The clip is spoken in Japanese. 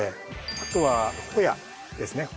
あとはほやですね。